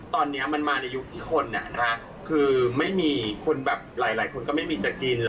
ตอนนี้มันมาในยุคที่คนคือไม่มีคนแบบหลายคนก็ไม่มีจะกิน